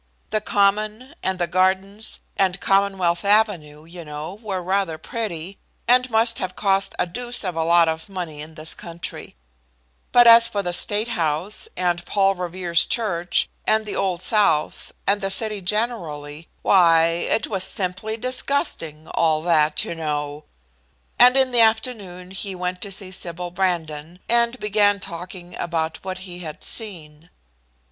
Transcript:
The Common, and the Gardens, and Commonwealth Avenue, you know, were rather pretty, and must have cost a deuce of a lot of money in this country; but as for the State House, and Paul Revere's Church, and the Old South, and the city generally, why, it was simply disgusting, all that, you know. And in the afternoon he went to see Sybil Brandon, and began talking about what he had seen.